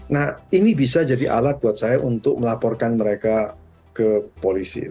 nah ini bisa jadi alat buat saya untuk melaporkan mereka ke polisi